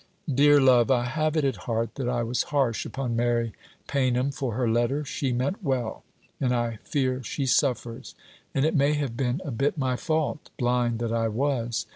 'Dear love, I have it at heart that I was harsh upon Mary Paynham for her letter. She meant well and I fear she suffers. And it may have been a bit my fault. Blind that I was!